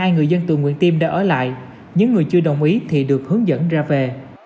hai người dân tự nguyện tiêm đã ở lại những người chưa đồng ý thì được hướng dẫn ra về